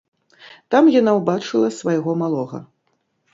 Там яна ўбачыла свайго малога.